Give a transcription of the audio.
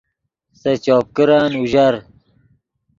سے چوپ کرن اوژر